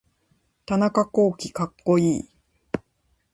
田中洸希かっこいい